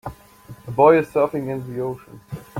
A boy is surfing in the ocean